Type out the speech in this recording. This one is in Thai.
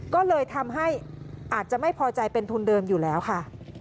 ก็เลยทำให้อาจจะไม่พอใจเป็นทุนเดิมอยู่แล้วค่ะ